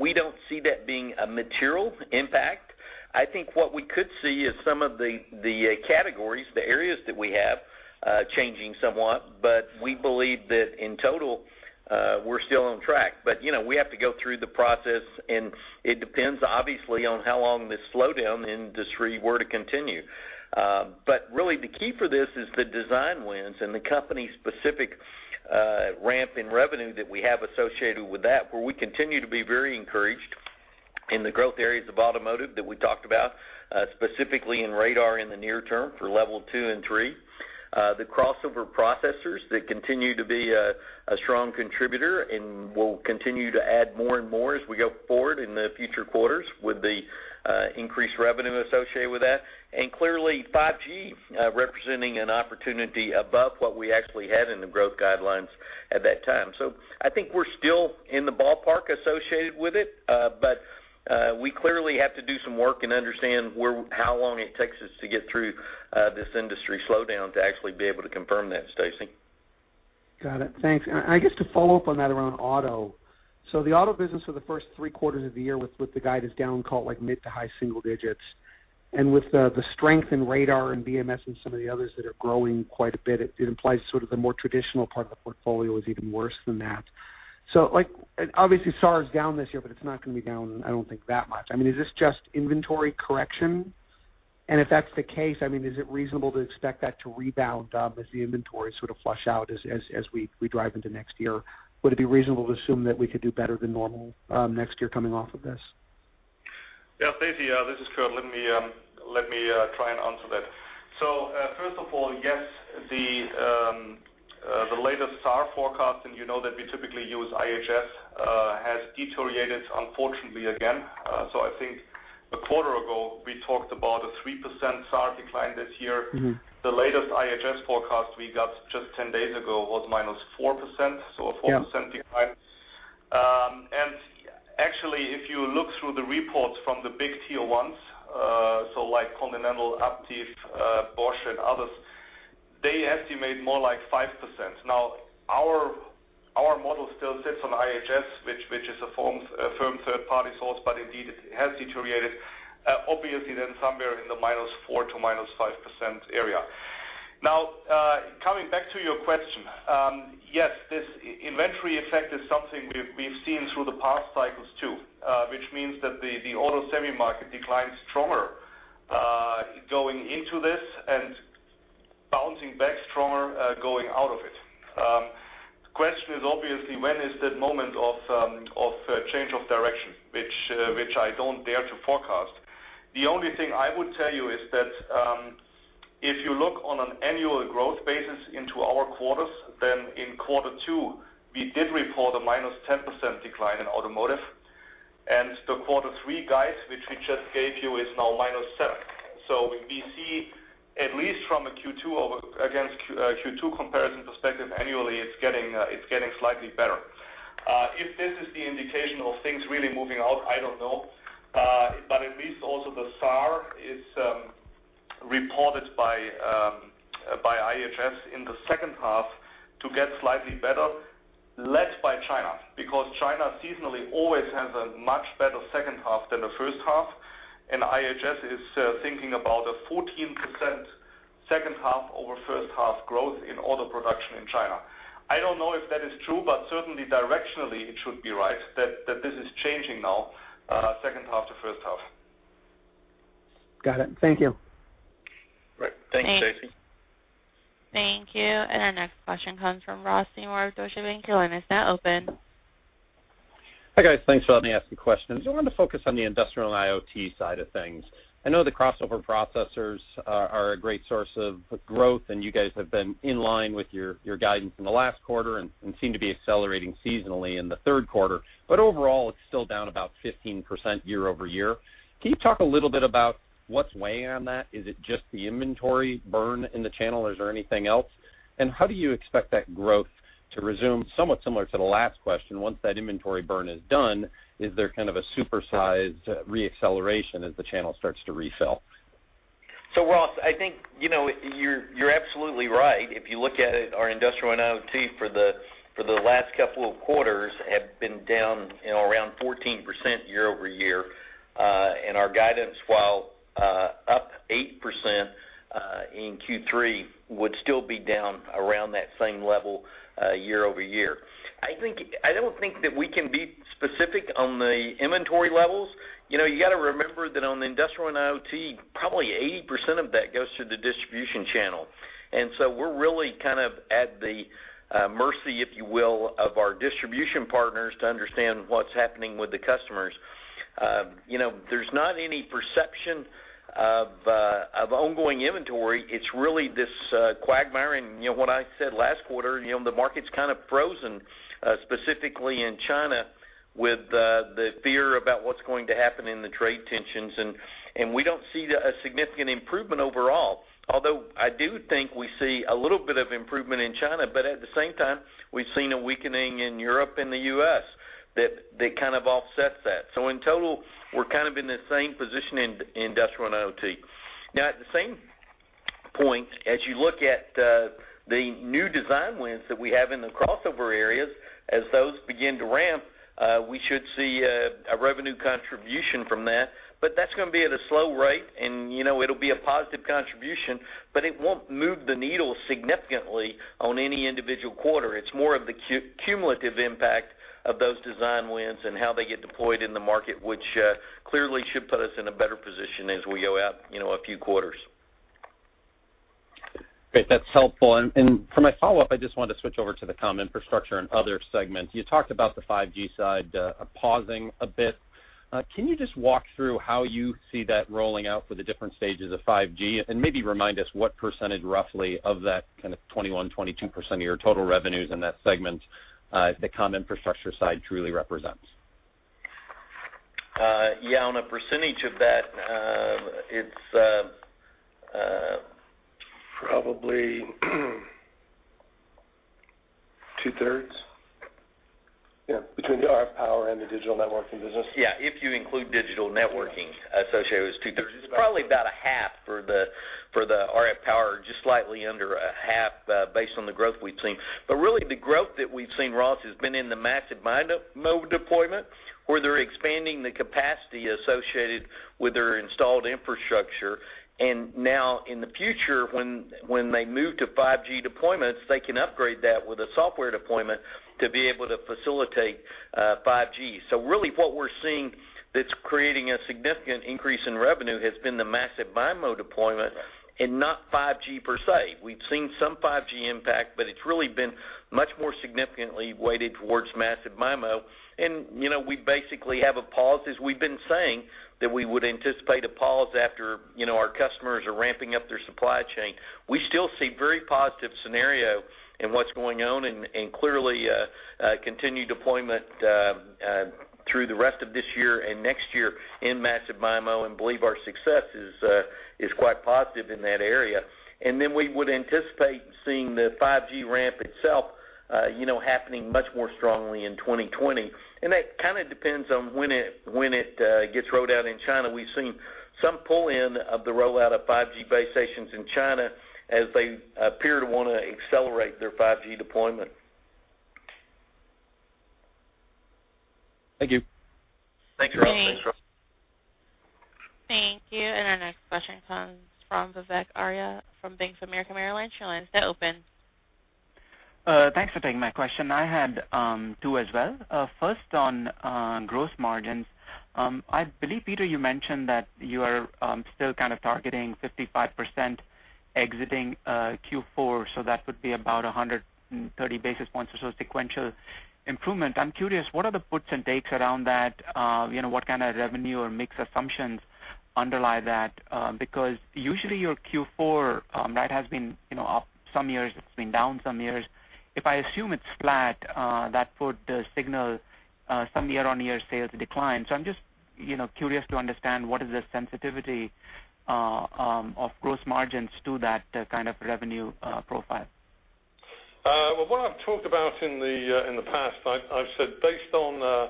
we don't see that being a material impact. I think what we could see is some of the categories, the areas that we have, changing somewhat, but we believe that in total, we're still on track. We have to go through the process, and it depends, obviously, on how long this slowdown in the industry were to continue. Really the key for this is the design wins and the company specific ramp in revenue that we have associated with that, where we continue to be very encouraged in the growth areas of automotive that we talked about, specifically in radar in the near term for Level 2 and Level 3. The crossover processors that continue to be a strong contributor and will continue to add more and more as we go forward in the future quarters with the increased revenue associated with that. Clearly 5G representing an opportunity above what we actually had in the growth guidelines at that time. I think we're still in the ballpark associated with it, but we clearly have to do some work and understand how long it takes us to get through this industry slowdown to actually be able to confirm that, Stacy. Got it. Thanks. I guess to follow up on that around auto. The auto business for the first three quarters of the year with the guidance down call like mid to high single digits. With the strength in radar and BMS and some of the others that are growing quite a bit, it implies sort of the more traditional part of the portfolio is even worse than that. Obviously, SAR is down this year, but it's not going to be down, I don't think, that much. I mean, is this just inventory correction? If that's the case, is it reasonable to expect that to rebound up as the inventory sort of flush out as we drive into next year? Would it be reasonable to assume that we could do better than normal next year coming off of this? Yeah, Stacy, this is Kurt. Let me try and answer that. First of all, yes, the latest SAR forecast, and you know that we typically use IHS has deteriorated unfortunately again. I think a quarter ago, we talked about a 3% SAR decline this year. The latest IHS forecast we got just 10 days ago was -4%, so a 4% decline. Actually, if you look through the reports from the big tier 1s, so like Continental, Aptiv, Bosch and others, they estimate more like 5%. Our model still sits on IHS, which is a firm third-party source, but indeed it has deteriorated obviously then somewhere in the -4% to -5% area. Coming back to your question, yes, this inventory effect is something we've seen through the past cycles too, which means that the auto semi market declines stronger going into this and bouncing back stronger going out of it. Question is obviously when is that moment of change of direction, which I don't dare to forecast. The only thing I would tell you is that, if you look on an annual growth basis into our quarters, in quarter two, we did report a -10% decline in automotive. The quarter three guide, which we just gave you is now -7%. We see at least from a Q2 comparison perspective annually, it's getting slightly better. If this is the indication of things really moving out, I don't know. At least also the SAR is reported by IHS in the second half to get slightly better, led by China, because China seasonally always has a much better second half than the first half. IHS is thinking about a 14% second half over first half growth in auto production in China. I don't know if that is true, certainly directionally it should be right that this is changing now, second half to first half. Got it. Thank you. Right. Thanks, Stacy. Thank you. Our next question comes from Ross Seymore of Deutsche Bank. Your line is now open. Hi, guys. Thanks for letting me ask some questions. I wanted to focus on the industrial IoT side of things. I know the crossover processors are a great source of growth, and you guys have been in line with your guidance in the last quarter and seem to be accelerating seasonally in the third quarter, but overall, it's still down about 15% year-over-year. Can you talk a little bit about what's weighing on that? Is it just the inventory burn in the channel? Is there anything else? How do you expect that growth to resume somewhat similar to the last question, once that inventory burn is done, is there kind of a supersized re-acceleration as the channel starts to refill? Ross, I think you're absolutely right. If you look at it, our industrial and IoT for the last couple of quarters have been down around 14% year-over-year. Our guidance, while up 8% in Q3, would still be down around that same level year-over-year. I don't think that we can be specific on the inventory levels. You got to remember that on the industrial and IoT, probably 80% of that goes through the distribution channel. So we're really kind of at the mercy, if you will, of our distribution partners to understand what's happening with the customers. There's not any perception of ongoing inventory. It's really this quagmire. What I said last quarter, the market's kind of frozen, specifically in China with the fear about what's going to happen in the trade tensions. We don't see a significant improvement overall, although I do think we see a little bit of improvement in China, but at the same time, we've seen a weakening in Europe and the U.S. that kind of offsets that. In total, we're kind of in the same position in industrial and IoT. At the same point, as you look at the new design wins that we have in the crossover areas, as those begin to ramp, we should see a revenue contribution from that, but that's going to be at a slow rate and it'll be a positive contribution, but it won't move the needle significantly on any individual quarter. It's more of the cumulative impact of those design wins and how they get deployed in the market, which clearly should put us in a better position as we go out a few quarters. Great. That's helpful. For my follow-up, I just wanted to switch over to the common infrastructure and other segments. You talked about the 5G side pausing a bit. Can you just walk through how you see that rolling out for the different stages of 5G, and maybe remind us what percentage roughly of that kind of 21%, 22% of your total revenues in that segment, the common infrastructure side truly represents? Yeah. On a percentage of that, it's probably 2/3. Between the RF power and the digital networking business? Yeah, if you include digital networking associated with those two. There's probably about a half for the RF power, just slightly under a half based on the growth we've seen. Really the growth that we've seen, Ross, has been in the massive MIMO deployment, where they're expanding the capacity associated with their installed infrastructure. Now in the future when, they move to 5G deployments, they can upgrade that with a software deployment to be able to facilitate 5G. Really what we're seeing that's creating a significant increase in revenue has been the massive MIMO deployment and not 5G per se. We've seen some 5G impact, but it's really been much more significantly weighted towards massive MIMO. We basically have a pause, as we've been saying, that we would anticipate a pause after our customers are ramping up their supply chain. We still see very positive scenario in what's going on and clearly, continued deployment through the rest of this year and next year in massive MIMO and believe our success is quite positive in that area. We would anticipate seeing the 5G ramp itself happening much more strongly in 2020. That kind of depends on when it gets rolled out in China. We've seen some pull-in of the rollout of 5G base stations in China as they appear to want to accelerate their 5G deployment. Thank you. Thanks, Ross. Thank you. Our next question comes from Vivek Arya from Bank of America Merrill Lynch. Your line is now open. Thanks for taking my question. I had two as well. First, on gross margins. I believe, Peter, you mentioned that you are still kind of targeting 55% exiting Q4, so that would be about 130 basis points or so sequential improvement. I'm curious, what are the puts and takes around that? What kind of revenue or mix assumptions underlie that? Because usually your Q4, that has been up some years, it's been down some years. If I assume it's flat, that could signal some year-on-year sales decline. I'm just curious to understand what is the sensitivity of gross margins to that kind of revenue profile. What I've talked about in the past, I've said based on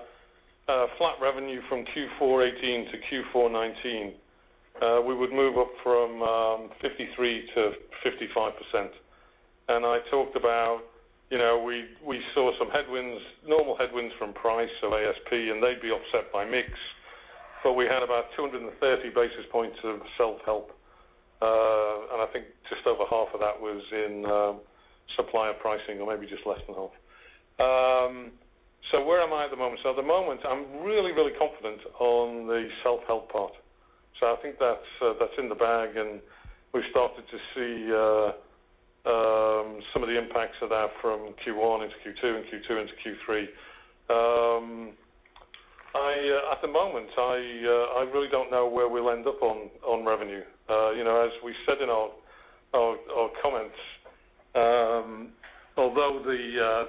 flat revenue from Q4 2018-Q4 2019, we would move up from 53%-55%. I talked about we saw some headwinds, normal headwinds from price, ASP, and they'd be offset by mix. We had about 230 basis points of self-help. I think just over half of that was in supplier pricing or maybe just less than half. Where am I at the moment? At the moment, I'm really, really confident on the self-help part. I think that's in the bag and we've started to see some of the impacts of that from Q1 into Q2 and Q2 into Q3. At the moment, I really don't know where we'll end up on revenue. As we said in our comments, although the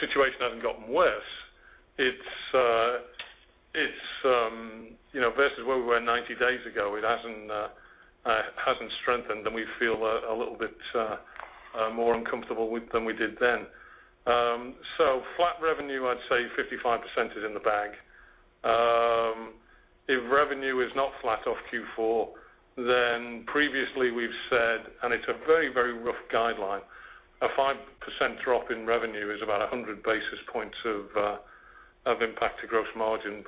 situation hasn't gotten worse, versus where we were 90 days ago, it hasn't strengthened and we feel a little bit more uncomfortable than we did then. Flat revenue, I'd say 55% is in the bag. If revenue is not flat off Q4, previously we've said, and it's a very, very rough guideline, a 5% drop in revenue is about 100 basis points of impact to gross margin.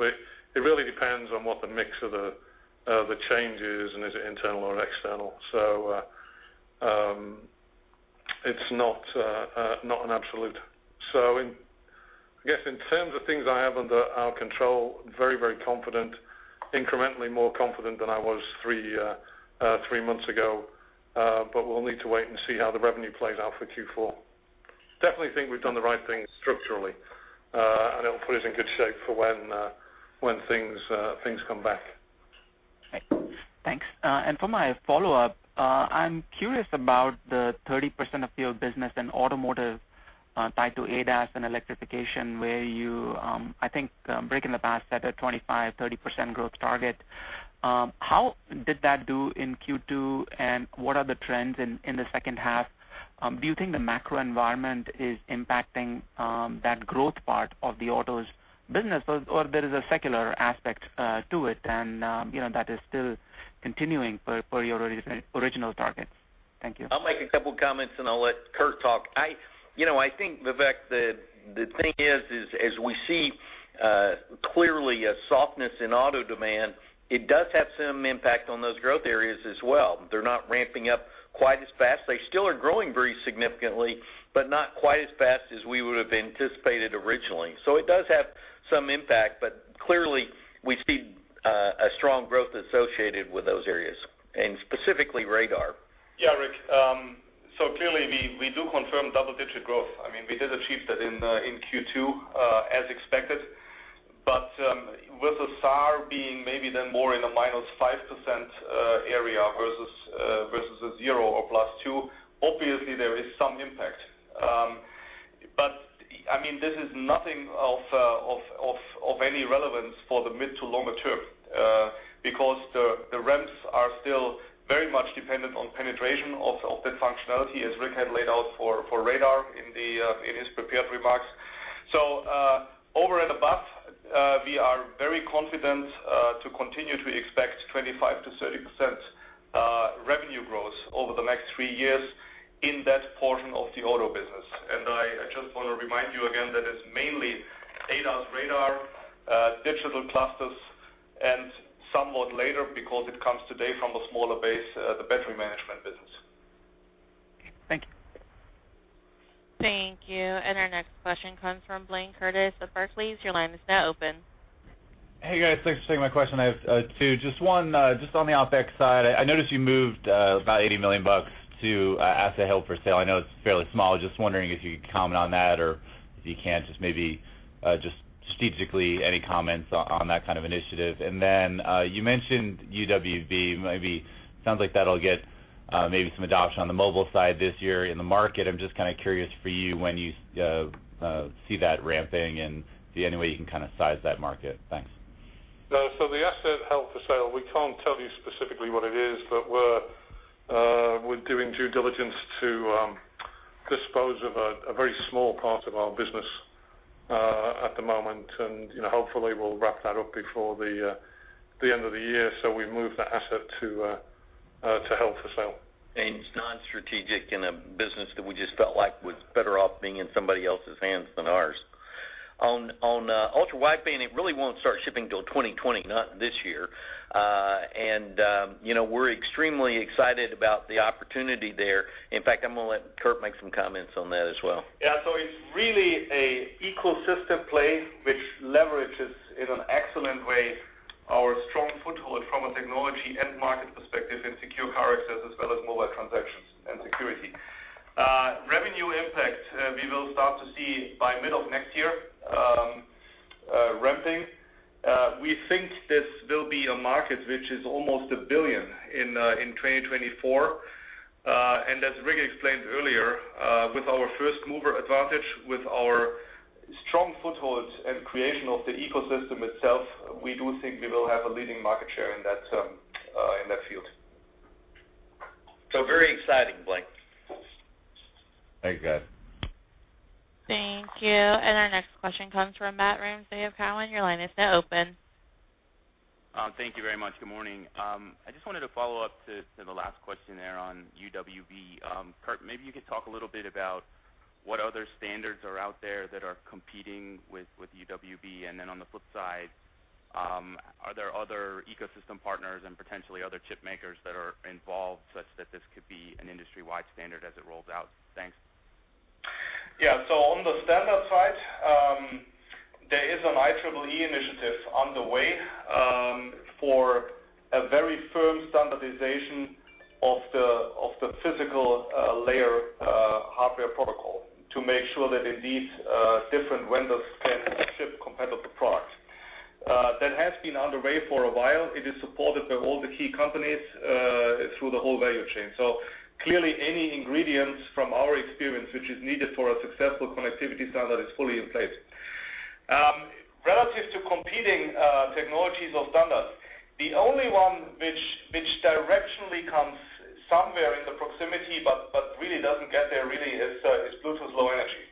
It really depends on what the mix of the change is and is it internal or external. It's not an absolute. I guess in terms of things I have under our control, very, very confident, incrementally more confident than I was three months ago. We'll need to wait and see how the revenue plays out for Q4. Definitely think we've done the right thing structurally, and it'll put us in good shape for when things come back. Great. Thanks. For my follow-up, I'm curious about the 30% of your business in automotive tied to ADAS and electrification, where you, I think, breaking the past, set a 25%, 30% growth target. How did that do in Q2, and what are the trends in the second half? Do you think the macro environment is impacting that growth part of the autos business, or there is a secular aspect to it and that is still continuing for your original target? Thank you. I'll make a couple comments, and I'll let Kurt talk. I think, Vivek, the thing is, as we see clearly a softness in auto demand, it does have some impact on those growth areas as well. They're not ramping up quite as fast. They still are growing very significantly, but not quite as fast as we would've anticipated originally. It does have some impact, but clearly we see a strong growth associated with those areas and specifically radar. Yeah, Rick. Clearly we do confirm double-digit growth. I mean, we did achieve that in Q2, as expected. With the SAR being maybe then more in the -5% area versus a 0% or +2%, obviously there is some impact. This is nothing of any relevance for the mid to longer term. Because the ramps are still very much dependent on penetration of that functionality, as Rick had laid out for radar in his prepared remarks. Over and above, we are very confident to continue to expect 25%-30% revenue growth over the next three years in that portion of the auto business. I just want to remind you again, that it's mainly ADAS radar, digital clusters, and somewhat later, because it comes today from a smaller base, the battery management business. Okay. Thank you. Thank you. Our next question comes from Blayne Curtis of Barclays. Your line is now open. Hey, guys. Thanks for taking my question. I have two. Just one, just on the OpEx side, I noticed you moved about $80 million to asset held for sale. I know it's fairly small. Just wondering if you could comment on that or if you can't, just maybe, just strategically any comments on that kind of initiative. You mentioned UWB, maybe sounds like that'll get maybe some adoption on the mobile side this year in the market. I'm just kind of curious for you when you see that ramping and see any way you can kind of size that market. Thanks. The asset held for sale, we can't tell you specifically what it is, but we're doing due diligence to dispose of a very small part of our business, at the moment. Hopefully, we'll wrap that up before the end of the year. We move the asset to held for sale. It's non-strategic in a business that we just felt like was better off being in somebody else's hands than ours. On ultra-wideband, it really won't start shipping till 2020, not this year. We're extremely excited about the opportunity there. In fact, I'm going to let Kurt make some comments on that as well. Yeah. It's really an ecosystem play which leverages, in an excellent way, our strong foothold from a technology and market perspective in secure car access as well as mobile transactions and security. Revenue impact, we will start to see by middle of next year ramping. We think this will be a market which is almost $1 billion in 2024. As Rick explained earlier, with our first-mover advantage, with our strong foothold and creation of the ecosystem itself, we do think we will have a leading market share in that field. Very exciting, Blayne. Thanks, guys. Thank you. Our next question comes from Matt Ramsay of Cowen. Your line is now open. Thank you very much. Good morning. I just wanted to follow up to the last question there on UWB. Kurt, maybe you could talk a little bit about what other standards are out there that are competing with UWB, and then on the flip side, are there other ecosystem partners and potentially other chip makers that are involved such that this could be an industry-wide standard as it rolls out? Thanks. On the standard side, there is an IEEE initiative on the way, for a very firm standardization of the physical layer hardware protocol to make sure that indeed different vendors can ship compatible products. That has been underway for a while. It is supported by all the key companies through the whole value chain. Clearly any ingredients from our experience, which is needed for a successful connectivity standard is fully in place. Relative to competing technologies or standards, the only one which directionally comes somewhere in the proximity but really doesn't get there really is Bluetooth Low Energy,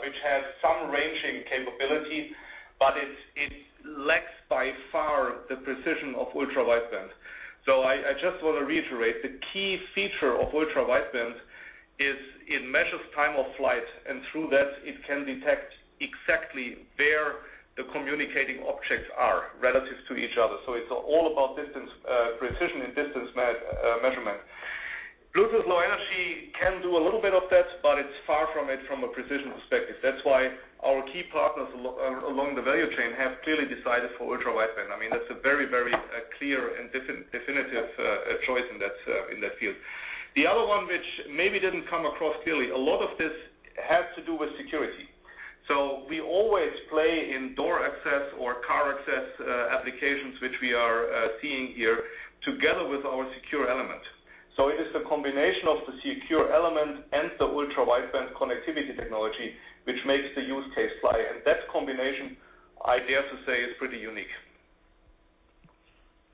which has some ranging capabilities, but it lacks by far the precision of Ultra-Wideband. I just want to reiterate, the key feature of Ultra-Wideband is it measures time of flight, and through that it can detect exactly where the communicating objects are relative to each other. It's all about precision and distance measurement. Bluetooth Low Energy can do a little bit of that, but it's far from it from a precision perspective. That's why our key partners along the value chain have clearly decided for Ultra-Wideband. That's a very, very clear and definitive choice in that field. The other one, which maybe didn't come across clearly, a lot of this has to do with security. We always play in door access or car access applications, which we are seeing here together with our secure element. It is the combination of the secure element and the Ultra-Wideband connectivity technology, which makes the use case fly. That combination, I dare to say, is pretty unique.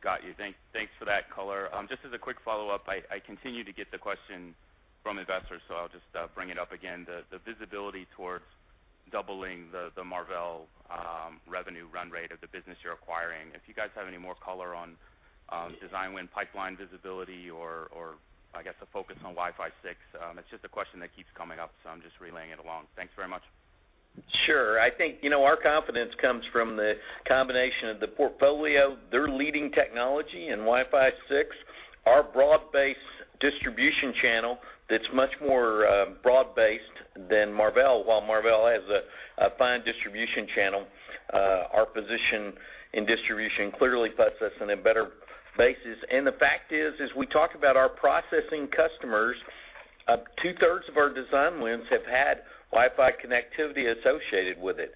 Got you. Thanks for that color. Just as a quick follow-up, I continue to get the question from investors, so I'll just bring it up again, the visibility towards doubling the Marvell revenue run rate of the business you're acquiring. If you guys have any more color on design win pipeline visibility or I guess the focus on Wi-Fi 6. It's just a question that keeps coming up, so I'm just relaying it along. Thanks very much. Sure. I think our confidence comes from the combination of the portfolio, their leading technology in Wi-Fi 6, our broad-based distribution channel that's much more broad-based than Marvell. While Marvell has a fine distribution channel, our position in distribution clearly puts us in a better basis. The fact is, as we talk about our processing customers, 2/3 of our design wins have had Wi-Fi connectivity associated with it.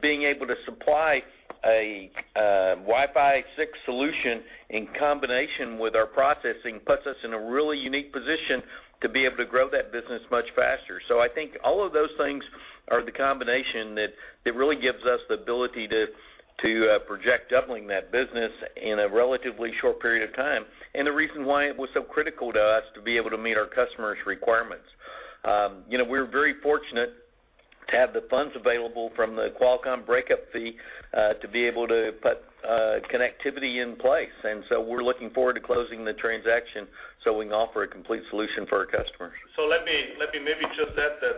Being able to supply a Wi-Fi 6 solution in combination with our processing puts us in a really unique position to be able to grow that business much faster. I think all of those things are the combination that really gives us the ability to project doubling that business in a relatively short period of time. The reason why it was so critical to us to be able to meet our customers' requirements. We're very fortunate to have the funds available from the Qualcomm breakup fee to be able to put connectivity in place. We're looking forward to closing the transaction so we can offer a complete solution for our customers. Let me maybe just add that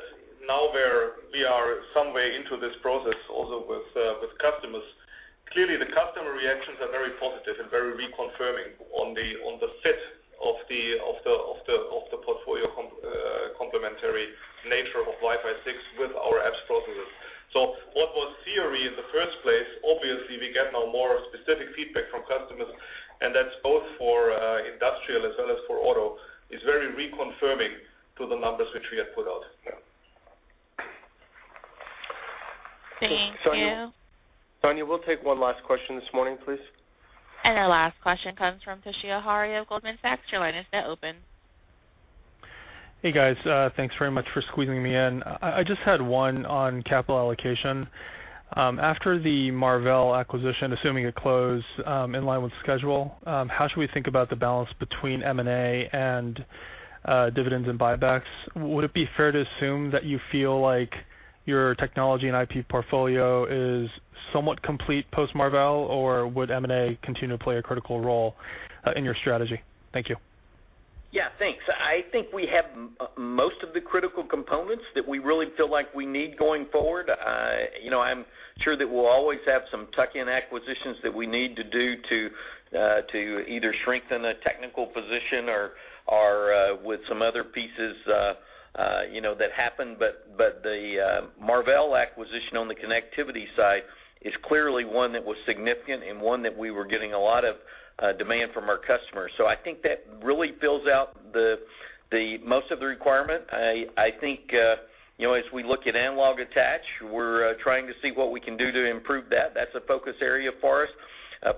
now where we are some way into this process, also with customers, clearly the customer reactions are very positive and very reconfirming on the fit of the portfolio complementary nature of Wi-Fi 6 with our apps processors. What was theory in the first place, obviously, we get now more specific feedback from customers, and that's both for industrial as well as for auto, is very reconfirming to the numbers which we had put out. Yeah. Thank you. Sonja, we'll take one last question this morning, please. Our last question comes from Toshiya Hari of Goldman Sachs. Your line is now open. Hey, guys. Thanks very much for squeezing me in. I just had one on capital allocation. After the Marvell acquisition, assuming a close in line with schedule, how should we think about the balance between M&A and dividends and buybacks? Would it be fair to assume that you feel like your technology and IP portfolio is somewhat complete post Marvell, or would M&A continue to play a critical role in your strategy? Thank you. Yeah, thanks. I think we have most of the critical components that we really feel like we need going forward. I'm sure that we'll always have some tuck-in acquisitions that we need to do to either strengthen a technical position or with some other pieces that happen. The Marvell acquisition on the connectivity side is clearly one that was significant and one that we were getting a lot of demand from our customers. I think that really fills out most of the requirement. I think, as we look at analog attach, we're trying to see what we can do to improve that. That's a focus area for us.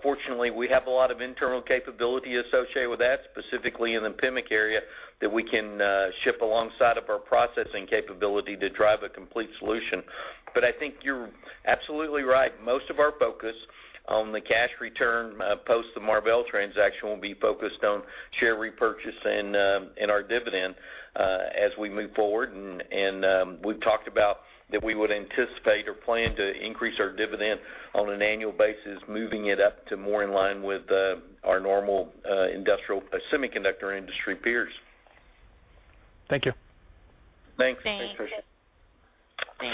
Fortunately, we have a lot of internal capability associated with that, specifically in the PMIC area, that we can ship alongside of our processing capability to drive a complete solution. I think you're absolutely right. Most of our focus on the cash return post the Marvell transaction will be focused on share repurchase and our dividend as we move forward, and we've talked about that we would anticipate or plan to increase our dividend on an annual basis, moving it up to more in line with our normal industrial semiconductor industry peers. Thank you. Thanks. Thanks. Thank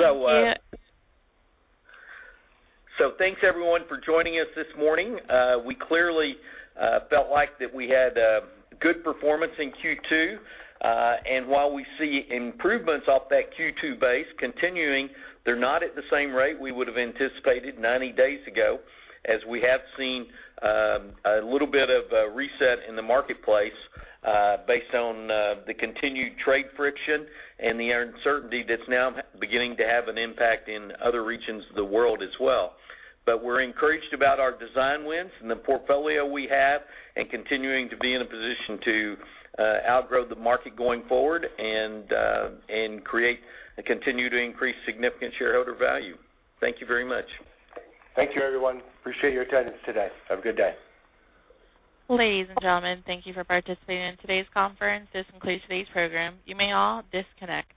you. Thanks everyone for joining us this morning. We clearly felt like that we had a good performance in Q2. While we see improvements off that Q2 base continuing, they're not at the same rate we would've anticipated 90 days ago, as we have seen a little bit of a reset in the marketplace based on the continued trade friction and the uncertainty that's now beginning to have an impact in other regions of the world as well. We're encouraged about our design wins and the portfolio we have and continuing to be in a position to outgrow the market going forward and create and continue to increase significant shareholder value. Thank you very much. Thank you, everyone. Appreciate your attendance today. Have a good day. Ladies and gentlemen, thank you for participating in today's conference. This concludes today's program. You may all disconnect.